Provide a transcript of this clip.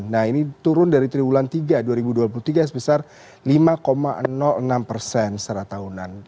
nah ini turun dari triwulan tiga dua ribu dua puluh tiga sebesar lima enam persen secara tahunan